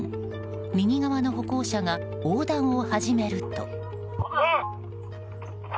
右側の歩行者が横断を始めると。